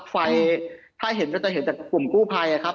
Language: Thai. ไฟถ้าเห็นก็จะเห็นแต่กลุ่มกู้ภัยครับ